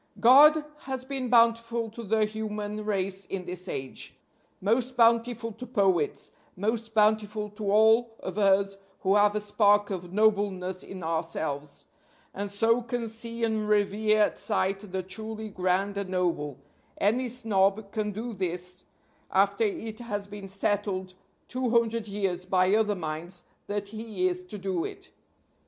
God has been bountiful to the human race in this age. Most bountiful to Poets; most bountiful to all of us who have a spark of nobleness in ourselves, and so can see and revere at sight the truly grand and noble (any snob can do this after it has been settled two hundred years by other minds that he is to do it).